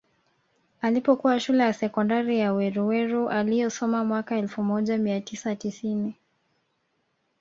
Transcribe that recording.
Alipokuwa Shule ya Sekondari ya Weruweru aliyosoma mwaka elfu moja mia tisa tisini